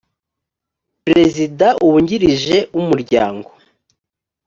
perezida wungirije w umuryango